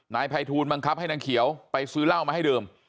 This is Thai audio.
นายภัยทูลบังคับให้นางเขียวไปซื้อเหล้ามาให้ดื่ม